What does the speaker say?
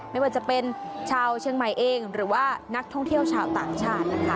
ไม่ว่าจะเป็นชาวเชียงใหม่เองหรือว่านักท่องเที่ยวชาวต่างชาตินะคะ